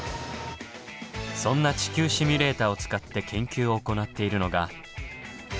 そんな「地球シミュレータ」を使って研究を行っているのが。